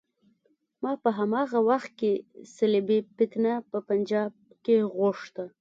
ما په هماغه وخت کې صلیبي فتنه په پنجاب کې غوښته.